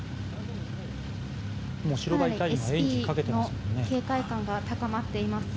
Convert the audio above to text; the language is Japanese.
ＳＰの警戒感は高まっています。